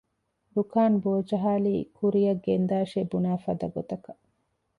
ރުކާން ބޯޖަހާލީ ކުރިއަށް ގެންދާށޭ ބުނާފަދަ ގޮތަކަށް